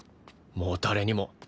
もう誰にも。